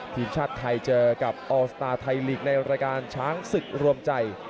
ทีมชาติไทยเจอกับออลสตาร์ไทยลีกในรายการช้างศึกรวมใจ